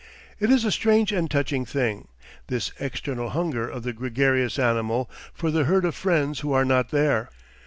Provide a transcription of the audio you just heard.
It is a strange and touching thing, this eternal hunger of the gregarious animal for the herd of friends who are not there.